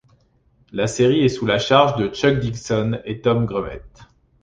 La série est sous la charge de Chuck Dixon et Tom Grummett.